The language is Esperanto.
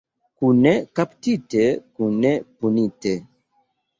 Kune kaptite, kune punite.